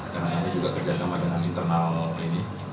karena ini juga tergabung dengan internal ini